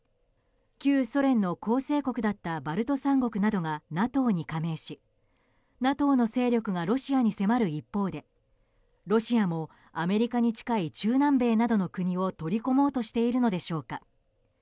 旧ソ連の構成国だったバルト三国などがＮＡＴＯに加盟しＮＡＴＯの勢力がロシアに迫る一方でロシアもアメリカに近い中南米などの国を取り込もうとしているのでしょうか。